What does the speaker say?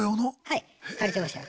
はい借りてました。